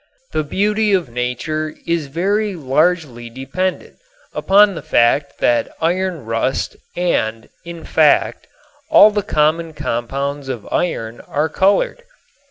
The beauty of nature is very largely dependent upon the fact that iron rust and, in fact, all the common compounds of iron are colored.